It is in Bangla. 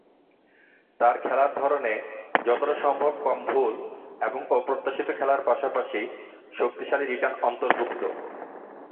তার খেলার ধরনে যতটা সম্ভব কম ভুল এবং অপ্রত্যাশিত খেলার পাশাপাশি শক্তিশালী রিটার্ন অন্তর্ভুক্ত।